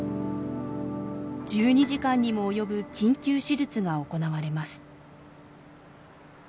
１２時間にも及ぶ緊急手術が行われます。